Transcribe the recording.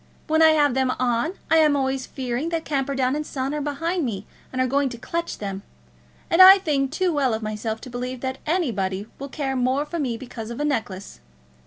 When I have them on I am always fearing that Camperdown and Son are behind me and are going to clutch them. And I think too well of myself to believe that anybody will care more for me because of a necklace.